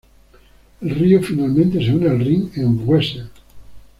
El río finalmente se une al Rin en Wesel.